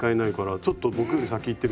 ちょっと僕より先いってるじゃない。